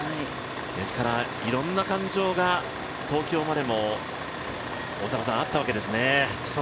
ですから、いろんな感情が東京までもあったわけですね。